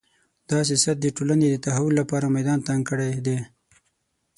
دا سیاست د ټولنې د تحول لپاره میدان تنګ کړی دی